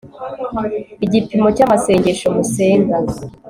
Igipimo cyamasengesho musenga